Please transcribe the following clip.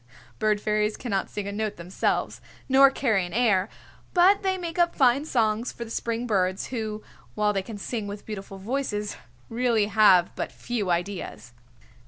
Bird Fairies cannot sing a note themselves, nor carry an air, but they make up fine songs for the spring birds, who while they can sing with beautiful voices really have but few ideas.